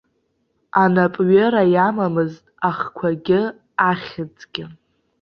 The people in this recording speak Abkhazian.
Анапҩыра иамамызт ахқәагьы, ахьыӡгьы.